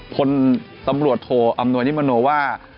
พลตำรวจโทอำนวยนิมโนว่า